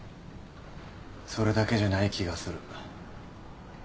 それだけじゃない気がする。